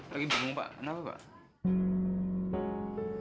lagi bingung pak kenapa pak